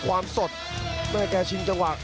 ความสดแม่แกชิงจังหวะ